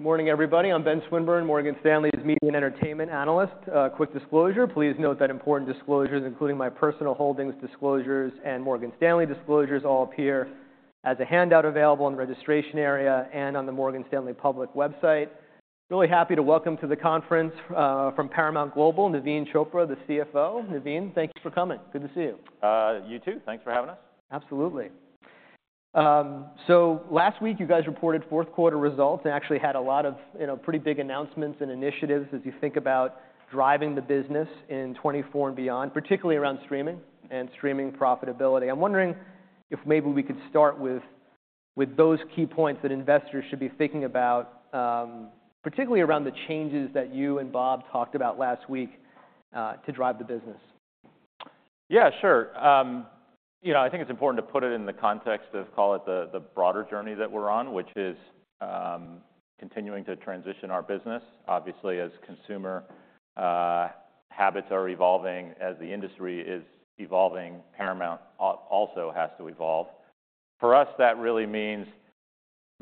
Good morning, everybody. I'm Ben Swinburne, Morgan Stanley's Media and Entertainment Analyst. Quick disclosure: please note that important disclosures, including my personal holdings disclosures and Morgan Stanley disclosures, all appear as a handout available in the registration area and on the Morgan Stanley public website. Really happy to welcome to the conference from Paramount Global Naveen Chopra, the CFO. Naveen, thank you for coming. Good to see you. You too. Thanks for having us. Absolutely. So last week, you guys reported fourth quarter results and actually had a lot of pretty big announcements and initiatives as you think about driving the business in 2024 and beyond, particularly around streaming and streaming profitability. I'm wondering if maybe we could start with those key points that investors should be thinking about, particularly around the changes that you and Bob talked about last week to drive the business. Yeah, sure. I think it's important to put it in the context of, call it, the broader journey that we're on, which is continuing to transition our business. Obviously, as consumer habits are evolving, as the industry is evolving, Paramount also has to evolve. For us, that really means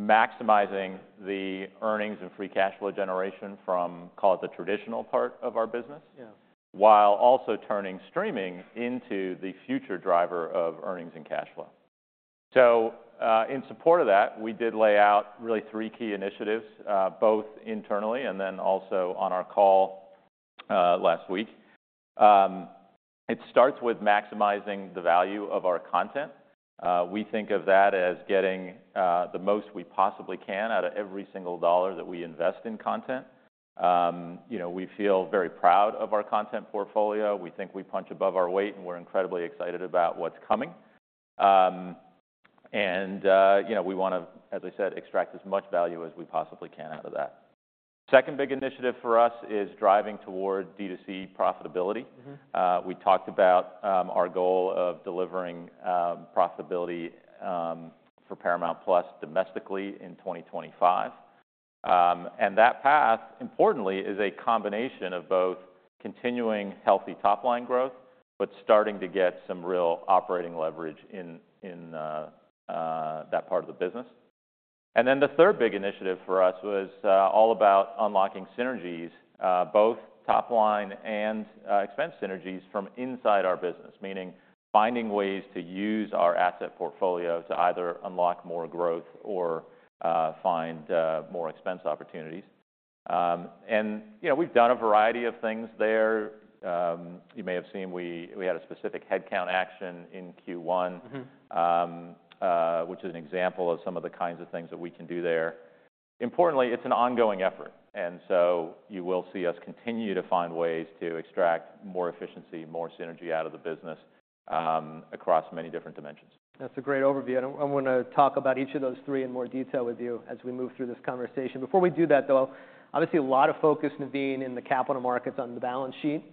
maximizing the earnings and free cash flow generation from, call it, the traditional part of our business while also turning streaming into the future driver of earnings and cash flow. So in support of that, we did lay out really three key initiatives, both internally and then also on our call last week. It starts with maximizing the value of our content. We think of that as getting the most we possibly can out of every single dollar that we invest in content. We feel very proud of our content portfolio. We think we punch above our weight, and we're incredibly excited about what's coming. And we want to, as I said, extract as much value as we possibly can out of that. Second big initiative for us is driving toward D2C profitability. We talked about our goal of delivering profitability for Paramount Plus domestically in 2025. And that path, importantly, is a combination of both continuing healthy top-line growth but starting to get some real operating leverage in that part of the business. And then the third big initiative for us was all about unlocking synergies, both top-line and expense synergies, from inside our business, meaning finding ways to use our asset portfolio to either unlock more growth or find more expense opportunities. And we've done a variety of things there. You may have seen we had a specific headcount action in Q1, which is an example of some of the kinds of things that we can do there. Importantly, it's an ongoing effort. And so you will see us continue to find ways to extract more efficiency, more synergy out of the business across many different dimensions. That's a great overview. I want to talk about each of those three in more detail with you as we move through this conversation. Before we do that, though, obviously, a lot of focus, Naveen, in the capital markets on the balance sheet.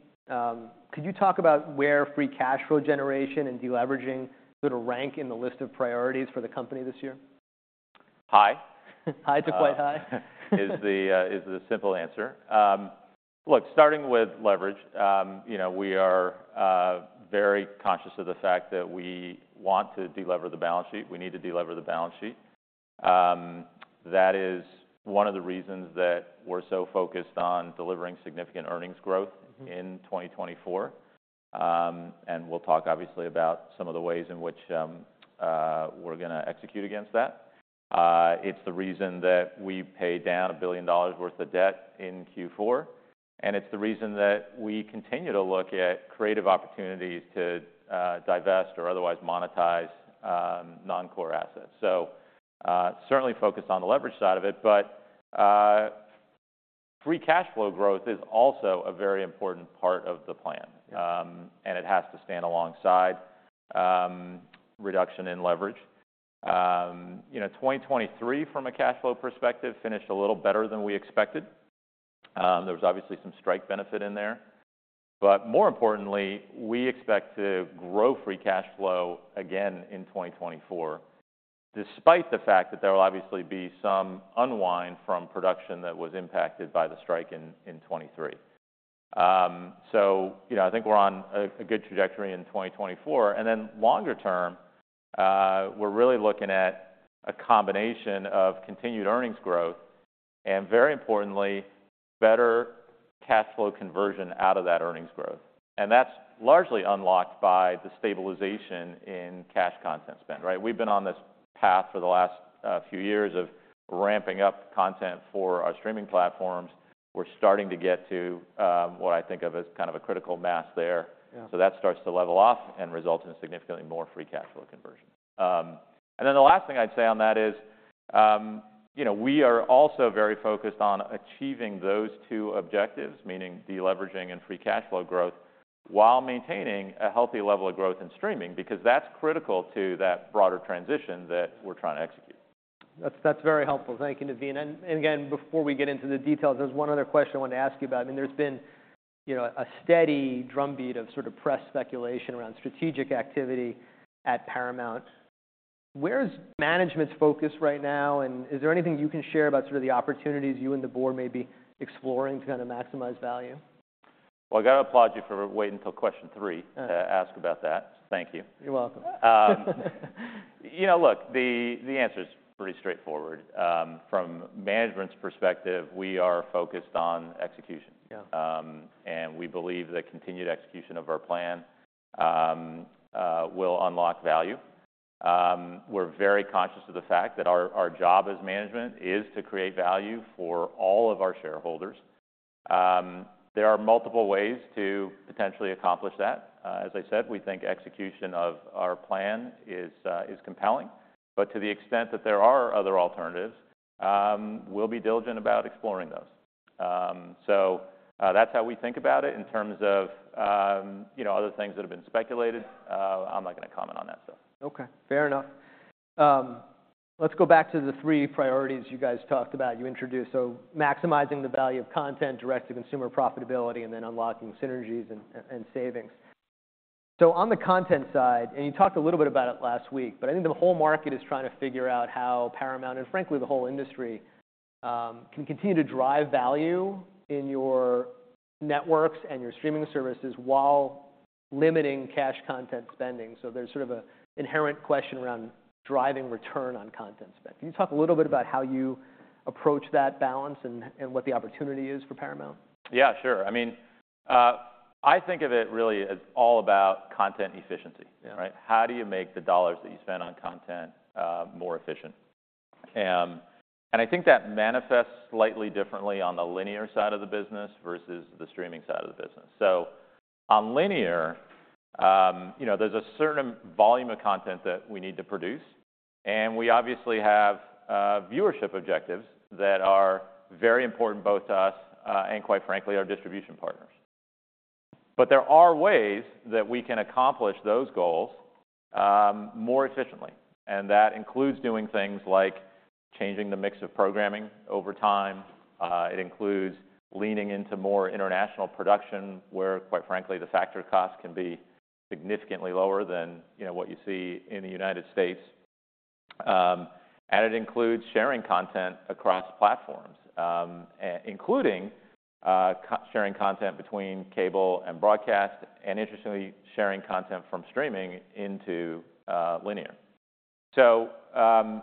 Could you talk about where free cash flow generation and deleveraging sort of rank in the list of priorities for the company this year? High. High to quite high. Is the simple answer. Look, starting with leverage, we are very conscious of the fact that we want to de-lever the balance sheet. We need to de-lever the balance sheet. That is one of the reasons that we're so focused on delivering significant earnings growth in 2024. And we'll talk, obviously, about some of the ways in which we're going to execute against that. It's the reason that we pay down $1 billion worth of debt in Q4. And it's the reason that we continue to look at creative opportunities to divest or otherwise monetize non-core assets. So certainly focused on the leverage side of it. But free cash flow growth is also a very important part of the plan. And it has to stand alongside reduction in leverage. 2023, from a cash flow perspective, finished a little better than we expected. There was obviously some strike benefit in there. But more importantly, we expect to grow free cash flow again in 2024 despite the fact that there will obviously be some unwind from production that was impacted by the strike in 2023. So I think we're on a good trajectory in 2024. And then longer term, we're really looking at a combination of continued earnings growth and, very importantly, better cash flow conversion out of that earnings growth. And that's largely unlocked by the stabilization in cash content spend. We've been on this path for the last few years of ramping up content for our streaming platforms. We're starting to get to what I think of as kind of a critical mass there. So that starts to level off and results in significantly more free cash flow conversion. And then the last thing I'd say on that is we are also very focused on achieving those two objectives, meaning deleveraging and free cash flow growth, while maintaining a healthy level of growth in streaming because that's critical to that broader transition that we're trying to execute. That's very helpful. Thank you, Naveen. And again, before we get into the details, there's one other question I wanted to ask you about. I mean, there's been a steady drumbeat of sort of press speculation around strategic activity at Paramount. Where is management's focus right now? And is there anything you can share about sort of the opportunities you and the board may be exploring to kind of maximize value? Well, I got to applaud you for waiting till question three to ask about that. Thank you. You're welcome. Look, the answer is pretty straightforward. From management's perspective, we are focused on execution. We believe that continued execution of our plan will unlock value. We're very conscious of the fact that our job as management is to create value for all of our shareholders. There are multiple ways to potentially accomplish that. As I said, we think execution of our plan is compelling. To the extent that there are other alternatives, we'll be diligent about exploring those. That's how we think about it in terms of other things that have been speculated. I'm not going to comment on that stuff. OK, fair enough. Let's go back to the three priorities you guys talked about you introduced. So maximizing the value of content direct to consumer profitability and then unlocking synergies and savings. So on the content side and you talked a little bit about it last week. But I think the whole market is trying to figure out how Paramount and, frankly, the whole industry can continue to drive value in your networks and your streaming services while limiting cash content spending. So there's sort of an inherent question around driving return on content spend. Can you talk a little bit about how you approach that balance and what the opportunity is for Paramount? Yeah, sure. I mean, I think of it really as all about content efficiency. How do you make the dollars that you spend on content more efficient? And I think that manifests slightly differently on the linear side of the business versus the streaming side of the business. So on linear, there's a certain volume of content that we need to produce. And we obviously have viewership objectives that are very important both to us and, quite frankly, our distribution partners. But there are ways that we can accomplish those goals more efficiently. And that includes doing things like changing the mix of programming over time. It includes leaning into more international production where, quite frankly, the factory costs can be significantly lower than what you see in the United States. And it includes sharing content across platforms, including sharing content between cable and broadcast and, interestingly, sharing content from streaming into linear. And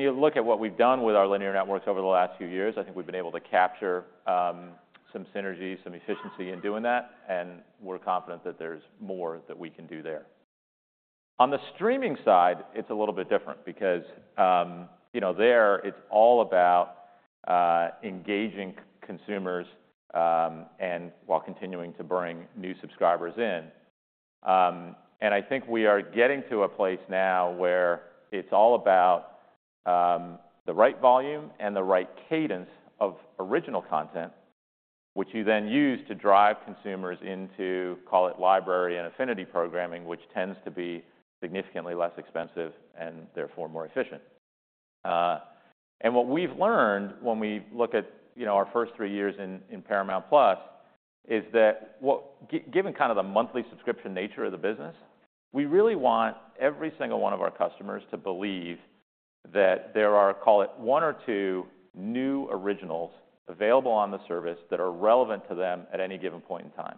you look at what we've done with our linear networks over the last few years. I think we've been able to capture some synergy, some efficiency in doing that. And we're confident that there's more that we can do there. On the streaming side, it's a little bit different because there, it's all about engaging consumers while continuing to bring new subscribers in. And I think we are getting to a place now where it's all about the right volume and the right cadence of original content, which you then use to drive consumers into, call it, library and affinity programming, which tends to be significantly less expensive and, therefore, more efficient. What we've learned when we look at our first three years in Paramount Plus is that, given kind of the monthly subscription nature of the business, we really want every single one of our customers to believe that there are, call it, one or two new originals available on the service that are relevant to them at any given point in time.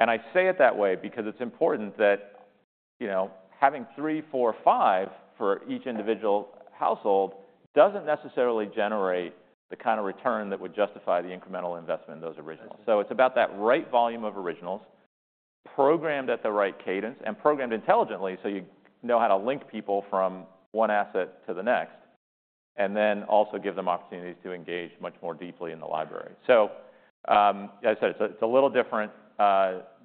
I say it that way because it's important that having three, four, five for each individual household doesn't necessarily generate the kind of return that would justify the incremental investment in those originals. It's about that right volume of originals programmed at the right cadence and programmed intelligently so you know how to link people from one asset to the next and then also give them opportunities to engage much more deeply in the library. So as I said, it's a little different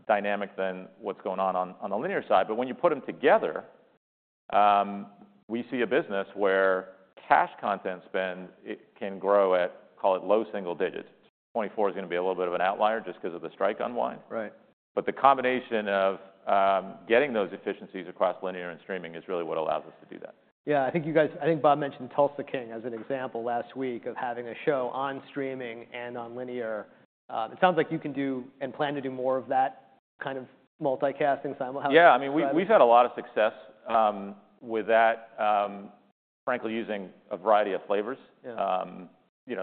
dynamic than what's going on on the linear side. But when you put them together, we see a business where cash content spend can grow at, call it, low single digits. 2024 is going to be a little bit of an outlier just because of the strike unwind. But the combination of getting those efficiencies across linear and streaming is really what allows us to do that. Yeah, I think you guys I think Bob mentioned Tulsa King as an example last week of having a show on streaming and on linear. It sounds like you can do and plan to do more of that kind of multicasting simultaneously. Yeah, I mean, we've had a lot of success with that, frankly, using a variety of flavors.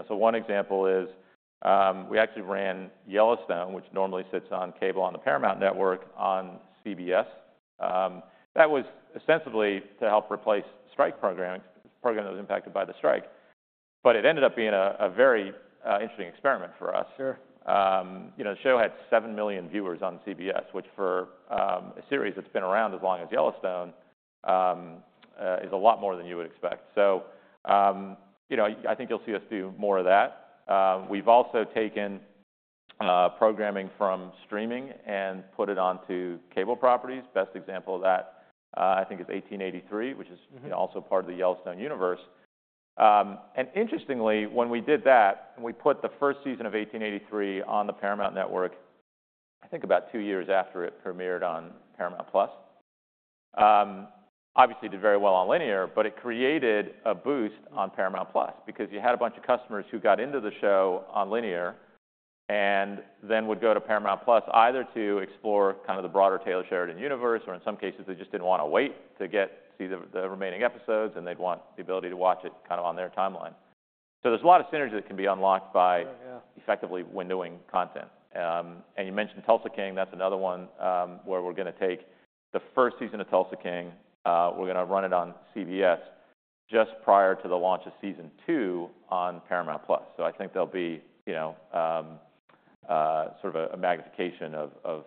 So one example is we actually ran Yellowstone, which normally sits on cable on the Paramount Network, on CBS. That was ostensibly to help replace strike programming, programming that was impacted by the strike. But it ended up being a very interesting experiment for us. The show had 7 million viewers on CBS, which for a series that's been around as long as Yellowstone is a lot more than you would expect. So I think you'll see us do more of that. We've also taken programming from streaming and put it onto cable properties. Best example of that, I think, is 1883, which is also part of the Yellowstone universe. Interestingly, when we did that and we put the first season of 1883 on the Paramount Network, I think about 2 years after it premiered on Paramount Plus, obviously did very well on linear. But it created a boost on Paramount Plus because you had a bunch of customers who got into the show on linear and then would go to Paramount Plus either to explore kind of the broader Taylor Sheridan universe or, in some cases, they just didn't want to wait to see the remaining episodes. And they'd want the ability to watch it kind of on their timeline. So there's a lot of synergy that can be unlocked by effectively windowing content. And you mentioned Tulsa King. That's another one where we're going to take the first season of Tulsa King. We're going to run it on CBS just prior to the launch of season two on Paramount Plus. So I think there'll be sort of a magnification of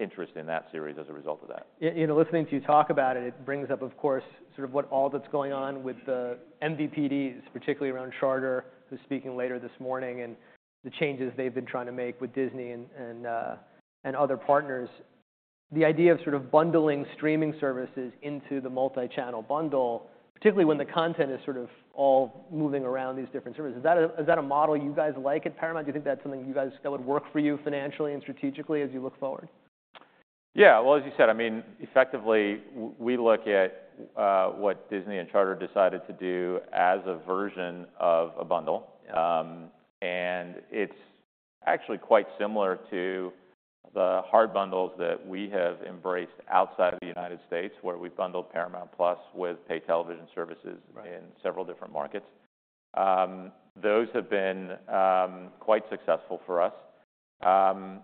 interest in that series as a result of that. Listening to you talk about it, it brings up, of course, sort of all that's going on with the MVPDs, particularly around Charter, who's speaking later this morning, and the changes they've been trying to make with Disney and other partners. The idea of sort of bundling streaming services into the multichannel bundle, particularly when the content is sort of all moving around these different services, is that a model you guys like at Paramount? Do you think that's something that would work for you financially and strategically as you look forward? Yeah, well, as you said, I mean, effectively, we look at what Disney and Charter decided to do as a version of a bundle. And it's actually quite similar to the hard bundles that we have embraced outside of the United States, where we've bundled Paramount Plus with paid television services in several different markets. Those have been quite successful for us. And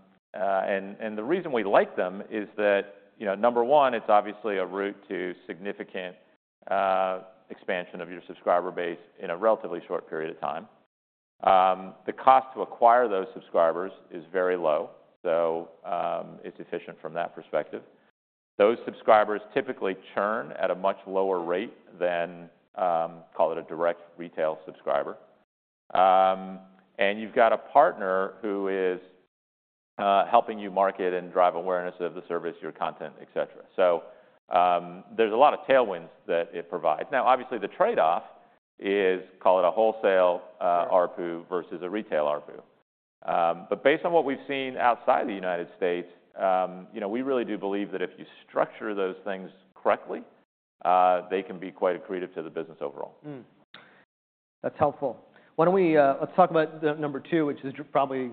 the reason we like them is that, number one, it's obviously a route to significant expansion of your subscriber base in a relatively short period of time. The cost to acquire those subscribers is very low. So it's efficient from that perspective. Those subscribers typically churn at a much lower rate than, call it, a direct retail subscriber. And you've got a partner who is helping you market and drive awareness of the service, your content, et cetera. So there's a lot of tailwinds that it provides. Now, obviously, the trade-off is, call it, a wholesale RPU versus a retail RPU. But based on what we've seen outside of the United States, we really do believe that if you structure those things correctly, they can be quite accretive to the business overall. That's helpful. Let's talk about number two, which is probably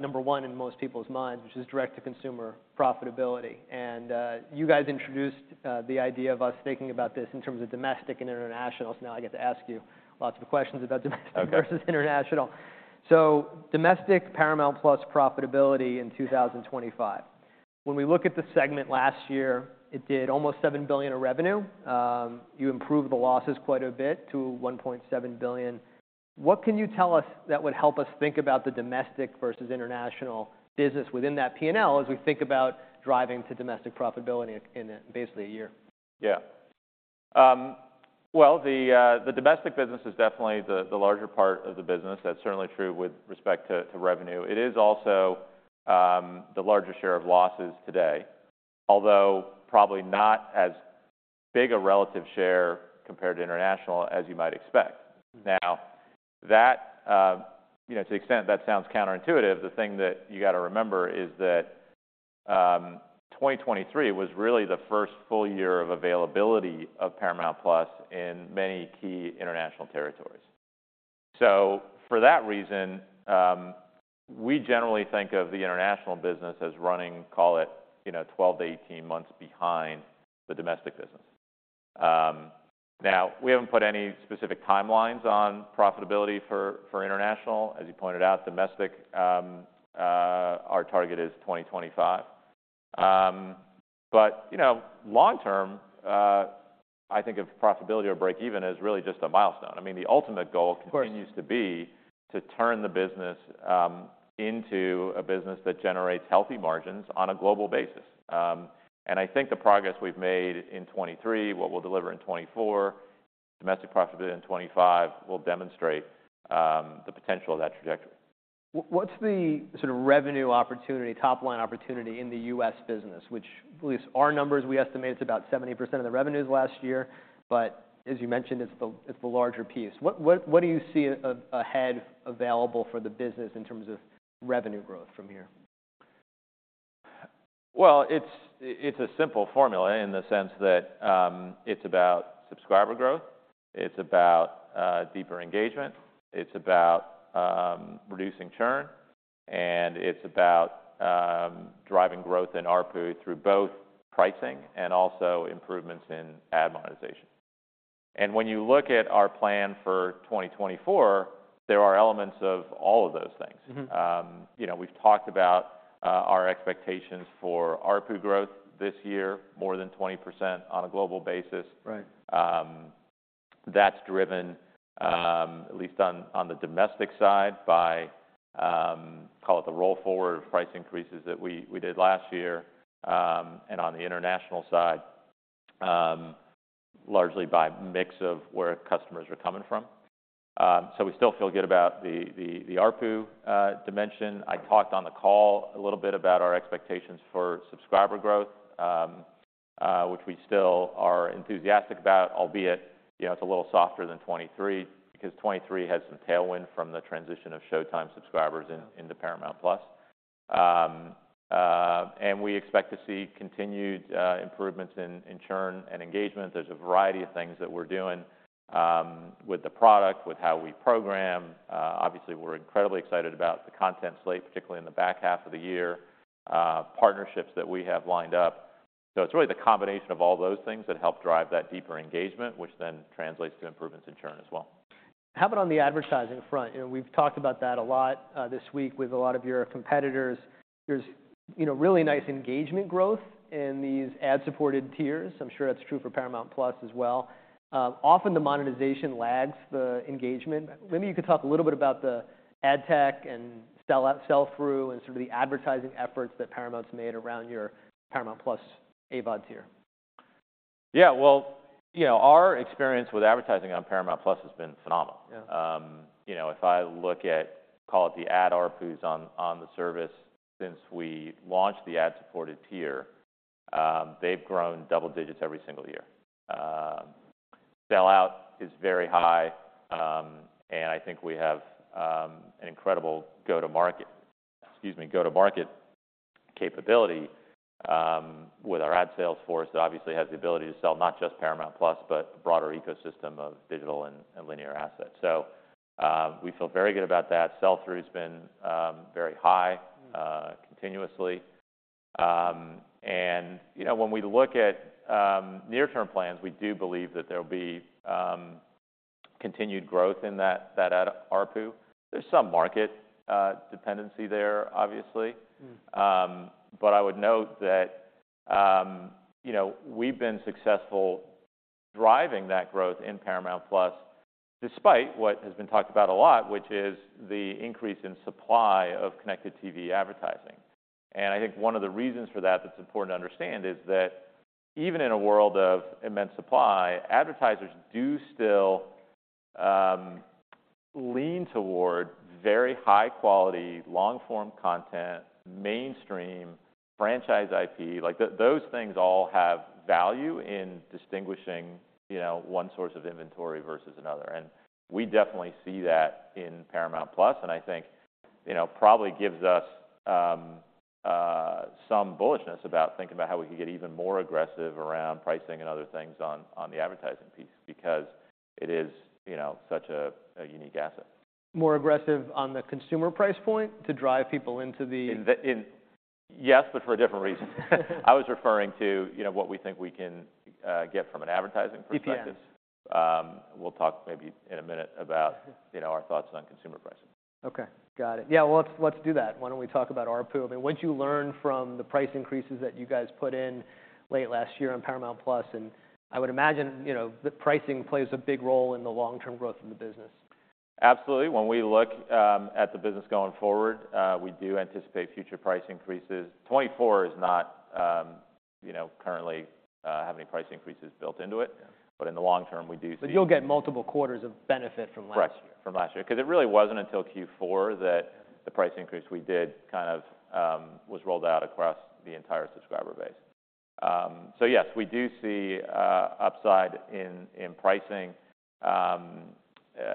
number one in most people's minds, which is direct to consumer profitability. And you guys introduced the idea of us thinking about this in terms of domestic and international. So now I get to ask you lots of questions about domestic versus international. So domestic Paramount Plus profitability in 2025. When we look at the segment last year, it did almost $7 billion of revenue. You improved the losses quite a bit to $1.7 billion. What can you tell us that would help us think about the domestic versus international business within that P&L as we think about driving to domestic profitability in basically a year? Yeah. Well, the domestic business is definitely the larger part of the business. That's certainly true with respect to revenue. It is also the larger share of losses today, although probably not as big a relative share compared to international as you might expect. Now, to the extent that sounds counterintuitive, the thing that you got to remember is that 2023 was really the first full year of availability of Paramount Plus in many key international territories. So for that reason, we generally think of the international business as running, call it, 12-18 months behind the domestic business. Now, we haven't put any specific timelines on profitability for international. As you pointed out, domestic, our target is 2025. But long term, I think of profitability or break even as really just a milestone. I mean, the ultimate goal continues to be to turn the business into a business that generates healthy margins on a global basis. And I think the progress we've made in 2023, what we'll deliver in 2024, domestic profitability in 2025 will demonstrate the potential of that trajectory. What's the sort of revenue opportunity, top line opportunity, in the U.S. business, which, at least our numbers, we estimate it's about 70% of the revenues last year? But as you mentioned, it's the larger piece. What do you see ahead available for the business in terms of revenue growth from here? Well, it's a simple formula in the sense that it's about subscriber growth. It's about deeper engagement. It's about reducing churn. And it's about driving growth in RPU through both pricing and also improvements in ad monetization. And when you look at our plan for 2024, there are elements of all of those things. We've talked about our expectations for RPU growth this year, more than 20% on a global basis. That's driven, at least on the domestic side, by, call it, the roll forward of price increases that we did last year and on the international side, largely by mix of where customers are coming from. So we still feel good about the RPU dimension. I talked on the call a little bit about our expectations for subscriber growth, which we still are enthusiastic about, albeit it's a little softer than 2023 because 2023 has some tailwind from the transition of Showtime subscribers into Paramount Plus. We expect to see continued improvements in churn and engagement. There's a variety of things that we're doing with the product, with how we program. Obviously, we're incredibly excited about the content slate, particularly in the back half of the year, partnerships that we have lined up. It's really the combination of all those things that help drive that deeper engagement, which then translates to improvements in churn as well. How about on the advertising front? We've talked about that a lot this week with a lot of your competitors. There's really nice engagement growth in these ad-supported tiers. I'm sure that's true for Paramount Plus as well. Often, the monetization lags the engagement. Maybe you could talk a little bit about the ad tech and sell-through and sort of the advertising efforts that Paramount's made around your Paramount Plus AVOD tier. Yeah, well, our experience with advertising on Paramount Plus has been phenomenal. If I look at, call it, the ad RPUs on the service since we launched the ad-supported tier, they've grown double digits every single year. Sell-out is very high. And I think we have an incredible go-to-market, excuse me, go-to-market capability with our ad sales force that obviously has the ability to sell not just Paramount Plus but a broader ecosystem of digital and linear assets. So we feel very good about that. Sell-through has been very high continuously. And when we look at near-term plans, we do believe that there will be continued growth in that ad RPU. There's some market dependency there, obviously. But I would note that we've been successful driving that growth in Paramount Plus despite what has been talked about a lot, which is the increase in supply of Connected TV advertising. I think one of the reasons for that that's important to understand is that even in a world of immense supply, advertisers do still lean toward very high-quality, long-form content, mainstream, franchise IP. Those things all have value in distinguishing one source of inventory versus another. We definitely see that in Paramount Plus. I think probably gives us some bullishness about thinking about how we could get even more aggressive around pricing and other things on the advertising piece because it is such a unique asset. More aggressive on the consumer price point to drive people into the. Yes, but for a different reason. I was referring to what we think we can get from an advertising perspective. We'll talk maybe in a minute about our thoughts on consumer pricing. OK, got it. Yeah, well, let's do that. Why don't we talk about RPU? I mean, what'd you learn from the price increases that you guys put in late last year on Paramount Plus? And I would imagine that pricing plays a big role in the long-term growth of the business. Absolutely. When we look at the business going forward, we do anticipate future price increases. 2024 does not currently have any price increases built into it. But in the long term, we do see. But you'll get multiple quarters of benefit from last year. From last year. Because it really wasn't until Q4 that the price increase we did kind of was rolled out across the entire subscriber base. So yes, we do see upside in pricing.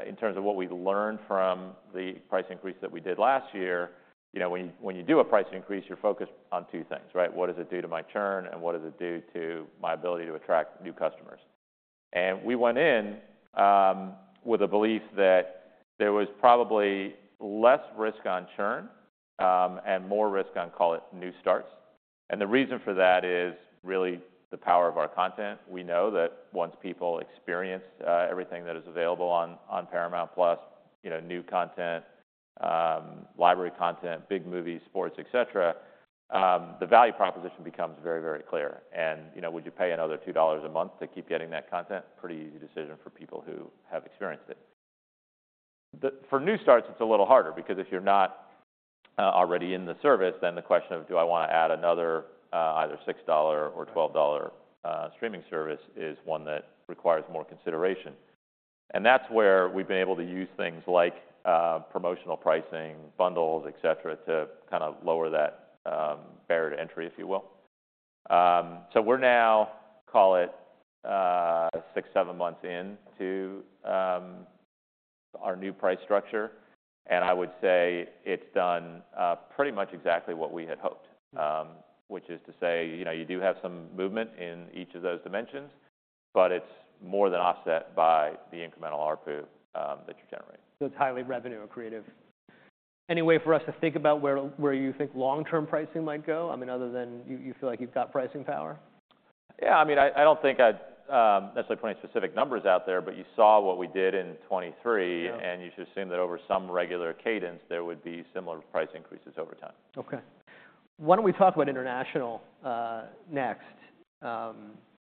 In terms of what we learned from the price increase that we did last year, when you do a price increase, you're focused on two things, right? What does it do to my churn? And what does it do to my ability to attract new customers? And we went in with a belief that there was probably less risk on churn and more risk on, call it, new starts. And the reason for that is really the power of our content. We know that once people experience everything that is available on Paramount Plus, new content, library content, big movies, sports, et cetera, the value proposition becomes very, very clear. Would you pay another $2 a month to keep getting that content? Pretty easy decision for people who have experienced it. For new starts, it's a little harder because if you're not already in the service, then the question of, do I want to add another either $6 or $12 streaming service is one that requires more consideration. And that's where we've been able to use things like promotional pricing, bundles, et cetera, to kind of lower that barrier to entry, if you will. So we're now, call it, six, seven months into our new price structure. And I would say it's done pretty much exactly what we had hoped, which is to say you do have some movement in each of those dimensions. But it's more than offset by the incremental RPU that you generate. It's highly revenue accretive. Any way for us to think about where you think long-term pricing might go? I mean, other than you feel like you've got pricing power? Yeah, I mean, I don't think I'd necessarily put any specific numbers out there. But you saw what we did in 2023. And you should assume that over some regular cadence, there would be similar price increases over time. OK. Why don't we talk about international next?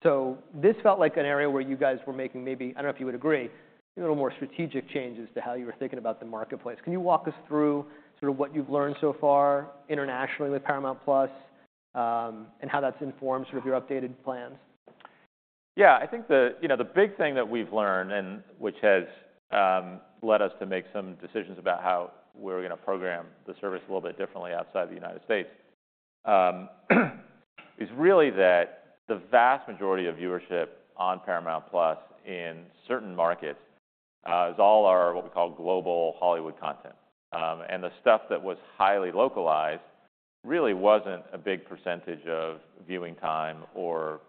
So this felt like an area where you guys were making maybe I don't know if you would agree a little more strategic changes to how you were thinking about the marketplace. Can you walk us through sort of what you've learned so far internationally with Paramount Plus and how that's informed sort of your updated plans? Yeah, I think the big thing that we've learned, and which has led us to make some decisions about how we're going to program the service a little bit differently outside the United States, is really that the vast majority of viewership on Paramount Plus in certain markets is all our what we call global Hollywood content. And the stuff that was highly localized really wasn't a big percentage of viewing time or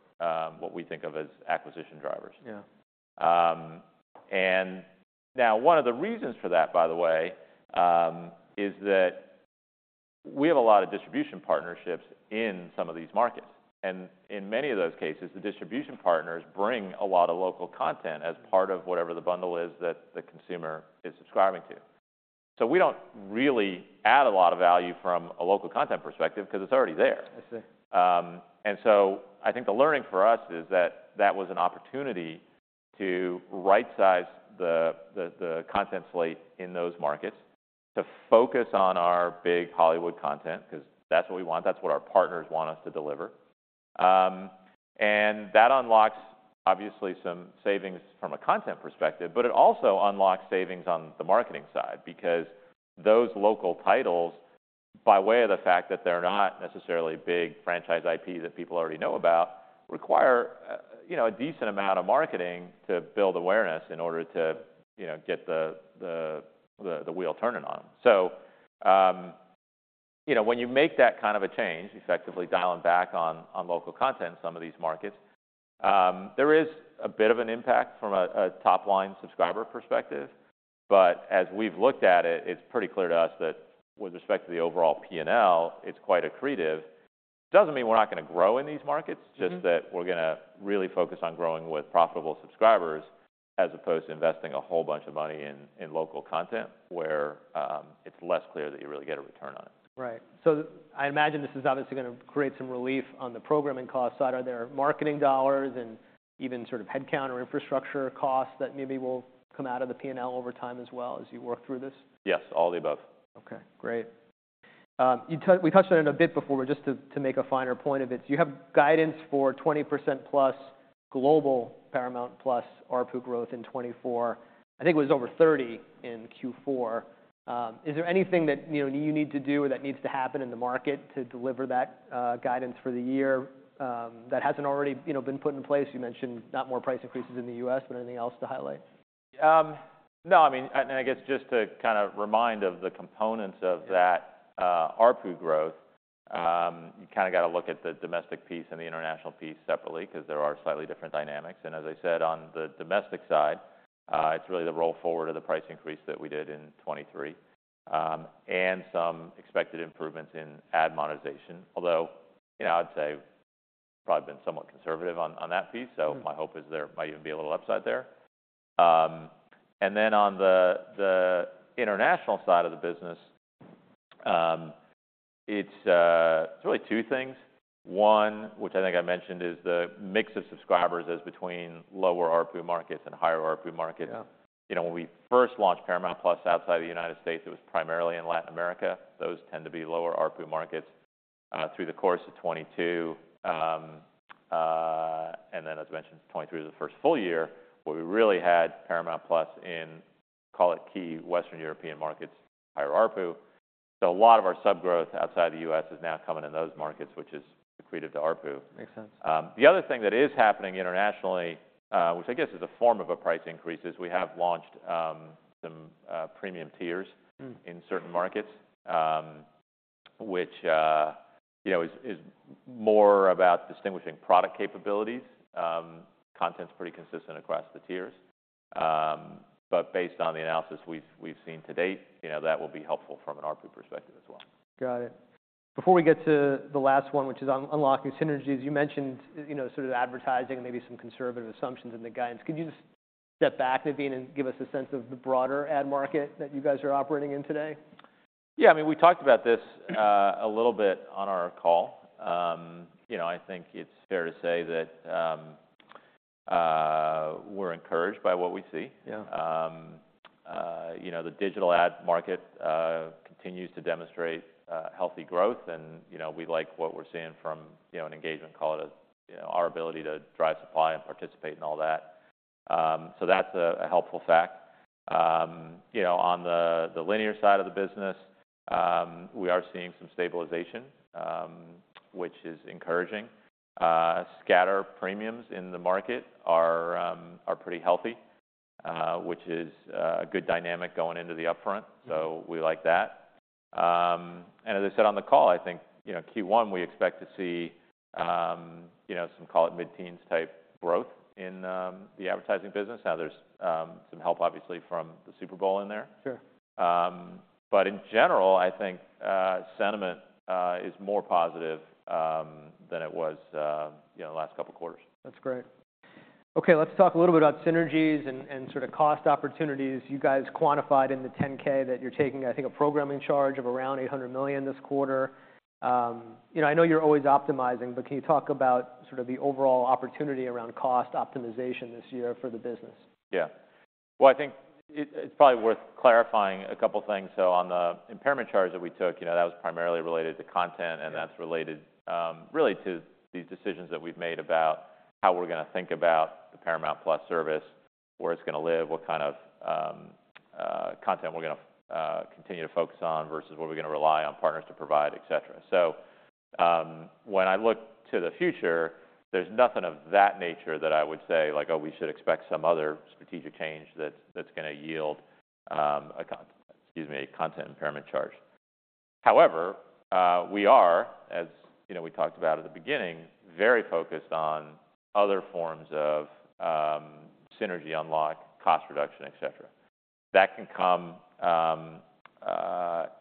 what we think of as acquisition drivers. Yeah. And now, one of the reasons for that, by the way, is that we have a lot of distribution partnerships in some of these markets. And in many of those cases, the distribution partners bring a lot of local content as part of whatever the bundle is that the consumer is subscribing to. So we don't really add a lot of value from a local content perspective because it's already there. I see. I think the learning for us is that that was an opportunity to right-size the content slate in those markets, to focus on our big Hollywood content because that's what we want. That's what our partners want us to deliver. That unlocks, obviously, some savings from a content perspective. It also unlocks savings on the marketing side because those local titles, by way of the fact that they're not necessarily big franchise IP that people already know about, require a decent amount of marketing to build awareness in order to get the wheel turning on them. When you make that kind of a change, effectively dialing back on local content in some of these markets, there is a bit of an impact from a top line subscriber perspective. But as we've looked at it, it's pretty clear to us that with respect to the overall P&L, it's quite accretive. Doesn't mean we're not going to grow in these markets, just that we're going to really focus on growing with profitable subscribers as opposed to investing a whole bunch of money in local content where it's less clear that you really get a return on it. Right. So I imagine this is obviously going to create some relief on the programming cost side. Are there marketing dollars and even sort of headcount or infrastructure costs that maybe will come out of the P&L over time as well as you work through this? Yes, all the above. OK, great. We touched on it a bit before, but just to make a finer point of it, so you have guidance for 20% plus global Paramount Plus RPU growth in 2024. I think it was over 30% in Q4. Is there anything that you need to do or that needs to happen in the market to deliver that guidance for the year that hasn't already been put in place? You mentioned not more price increases in the U.S. But anything else to highlight? No, I mean, and I guess just to kind of remind of the components of that RPU growth, you kind of got to look at the domestic piece and the international piece separately because there are slightly different dynamics. And as I said, on the domestic side, it's really the roll forward of the price increase that we did in 2023 and some expected improvements in ad monetization, although I'd say probably been somewhat conservative on that piece. So my hope is there might even be a little upside there. And then on the international side of the business, it's really two things. One, which I think I mentioned, is the mix of subscribers as between lower RPU markets and higher RPU markets. When we first launched Paramount Plus outside of the United States, it was primarily in Latin America. Those tend to be lower RPU markets. Through the course of 2022, and then as I mentioned, 2023 was the first full year where we really had Paramount Plus in, call it, key Western European markets, higher RPU. So a lot of our subgrowth outside of the U.S. is now coming in those markets, which is accretive to RPU. Makes sense. The other thing that is happening internationally, which I guess is a form of a price increase, is we have launched some premium tiers in certain markets, which is more about distinguishing product capabilities. Content's pretty consistent across the tiers. But based on the analysis we've seen to date, that will be helpful from an RPU perspective as well. Got it. Before we get to the last one, which is unlocking synergies, you mentioned sort of advertising and maybe some conservative assumptions in the guidance. Could you just step back, Naveen, and give us a sense of the broader ad market that you guys are operating in today? Yeah, I mean, we talked about this a little bit on our call. I think it's fair to say that we're encouraged by what we see. The digital ad market continues to demonstrate healthy growth. And we like what we're seeing from an engagement, call it, our ability to drive supply and participate in all that. So that's a helpful fact. On the linear side of the business, we are seeing some stabilization, which is encouraging. Scatter premiums in the market are pretty healthy, which is a good dynamic going into the Upfront. So we like that. And as I said on the call, I think Q1 we expect to see some, call it, mid-teens type growth in the advertising business. Now, there's some help, obviously, from the Super Bowl in there. Sure. But in general, I think sentiment is more positive than it was the last couple quarters. That's great. Ok, let's talk a little bit about synergies and sort of cost opportunities. You guys quantified in the 10-K that you're taking, I think, a programming charge of around $800 million this quarter. I know you're always optimizing. But can you talk about sort of the overall opportunity around cost optimization this year for the business? Yeah. Well, I think it's probably worth clarifying a couple things. So on the impairment charge that we took, that was primarily related to content. And that's related really to these decisions that we've made about how we're going to think about the Paramount Plus service, where it's going to live, what kind of content we're going to continue to focus on versus what we're going to rely on partners to provide, et cetera. So when I look to the future, there's nothing of that nature that I would say, like, oh, we should expect some other strategic change that's going to yield, excuse me, a content impairment charge. However, we are, as we talked about at the beginning, very focused on other forms of synergy unlock, cost reduction, et cetera. That can come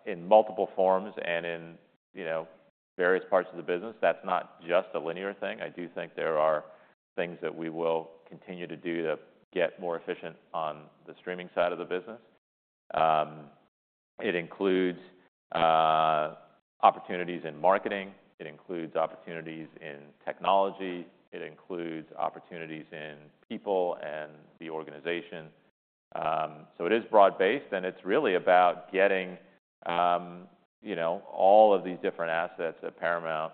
in multiple forms and in various parts of the business. That's not just a linear thing. I do think there are things that we will continue to do to get more efficient on the streaming side of the business. It includes opportunities in marketing. It includes opportunities in technology. It includes opportunities in people and the organization. So it is broad-based. And it's really about getting all of these different assets at Paramount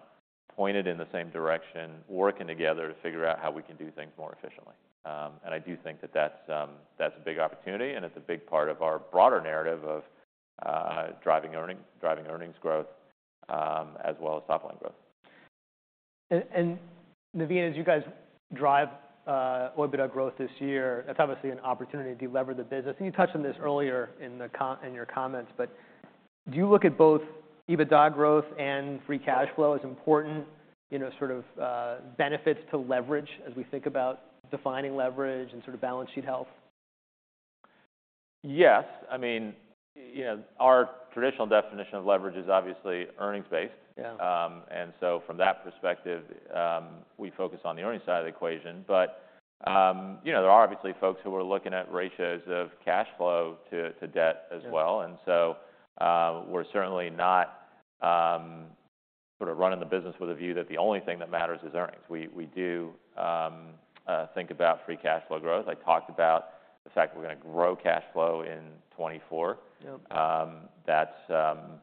pointed in the same direction, working together to figure out how we can do things more efficiently. And I do think that that's a big opportunity. And it's a big part of our broader narrative of driving earnings growth as well as top line growth. Naveen, as you guys drive OIBDA growth this year, that's obviously an opportunity to de-lever the business. You touched on this earlier in your comments. But do you look at both EBITDA growth and free cash flow as important sort of benefits to leverage as we think about defining leverage and sort of balance sheet health? Yes. I mean, our traditional definition of leverage is obviously earnings-based. And so from that perspective, we focus on the earnings side of the equation. But there are obviously folks who are looking at ratios of cash flow to debt as well. And so we're certainly not sort of running the business with a view that the only thing that matters is earnings. We do think about free cash flow growth. I talked about the fact that we're going to grow cash flow in 2024. That's not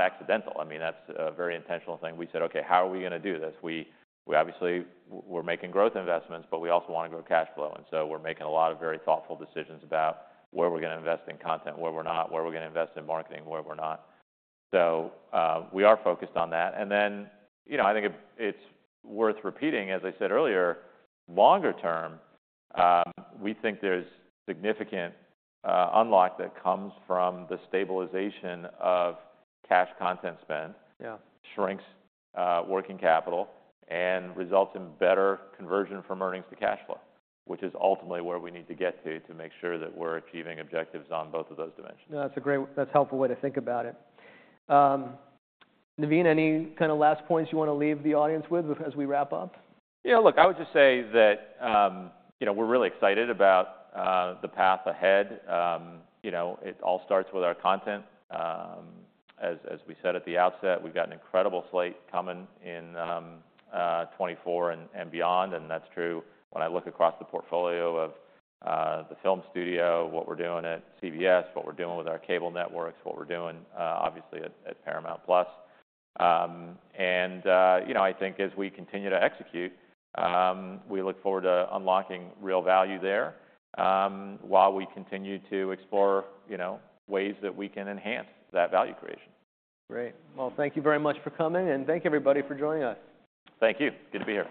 accidental. I mean, that's a very intentional thing. We said, ok, how are we going to do this? We obviously were making growth investments. But we also want to grow cash flow. And so we're making a lot of very thoughtful decisions about where we're going to invest in content, where we're not, where we're going to invest in marketing, where we're not. We are focused on that. I think it's worth repeating, as I said earlier, longer term, we think there's significant unlock that comes from the stabilization of cash content spend, shrinks working capital, and results in better conversion from earnings to cash flow, which is ultimately where we need to get to to make sure that we're achieving objectives on both of those dimensions. No, that's a great, that's a helpful way to think about it. Naveen, any kind of last points you want to leave the audience with as we wrap up? Yeah, look, I would just say that we're really excited about the path ahead. It all starts with our content. As we said at the outset, we've got an incredible slate coming in 2024 and beyond. And that's true when I look across the portfolio of the film studio, what we're doing at CBS, what we're doing with our cable networks, what we're doing, obviously, at Paramount Plus. And I think as we continue to execute, we look forward to unlocking real value there while we continue to explore ways that we can enhance that value creation. Great. Well, thank you very much for coming. Thank you, everybody, for joining us. Thank you. Good to be here.